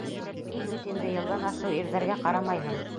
Һин бит инде йылдан ашыу ирҙәргә ҡарамайһың.